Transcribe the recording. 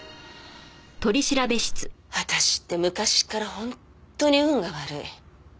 私って昔から本当に運が悪い。